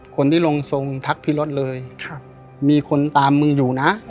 คนที่ลงทรงทักพี่รถเลยมีคนตามมึงอยู่นะ